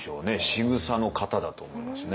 しぐさの型だと思いますね。